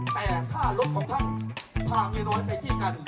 แต่ถ้ารถของท่านพาเมียน้อยไปที่กัน